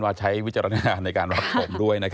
การให้ความคิดเห็นของแต่ละฝั่งแต่ละฝ่ายนะฮะ